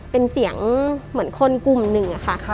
เป็นเสียงเหมือนคนกลุ่มหนึ่งอะค่ะ